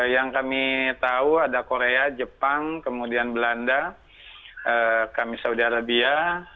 yang kami tahu ada korea jepang kemudian belanda kami saudi arabia